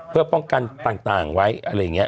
เพื่อป้องกันต่างไว้อะไรอย่างนี้